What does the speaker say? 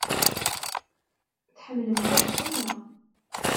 Tḥemmlemt adfel, naɣ?